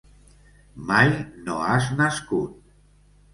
Mai no has nascut.